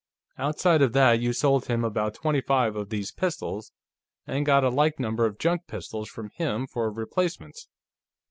"Outside of that, you sold him about twenty five of these pistols, and got a like number of junk pistols from him, for replacements."